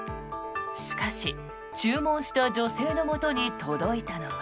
しかし、注文した女性のもとに届いたのは。